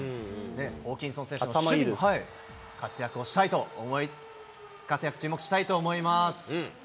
ホーキンソン選手の活躍、注目したいと思います。